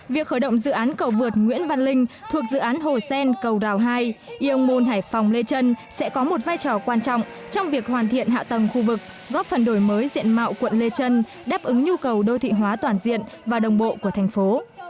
việc khởi động dự án cầu vượt nguyễn văn linh thuộc dự án hồ sen cầu rào hai yong môn hải phòng lê trân sẽ có một vai trò quan trọng trong việc hoàn thiện hạ tầng khu vực góp phần đổi mới diện mạo quận lê trân đáp ứng nhu cầu đô thị hóa toàn diện và đồng bộ của thành phố